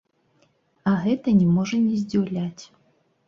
А гэта не можа не здзіўляць.